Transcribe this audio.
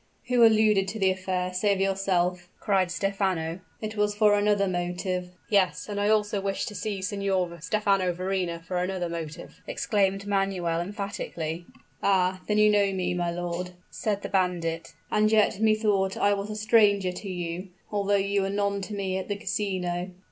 who alluded to the affair, save yourself?" cried Stephano. "It was for another motive " "Yes; and I also wished to see Signor Stephano Verrina for another motive," exclaimed Manuel emphatically. "Ah! then you know me, my lord?" said the bandit. "And yet methought I was a stranger to you, although you were none to me at the casino."